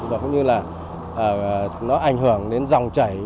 và cũng như là nó ảnh hưởng đến dòng chảy